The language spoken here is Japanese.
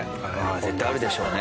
絶対あるでしょうね。